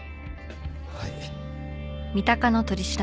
はい。